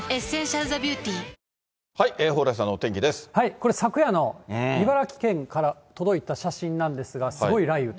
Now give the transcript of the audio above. これ、昨夜の茨城県から届いた写真なんですが、すごい雷雨。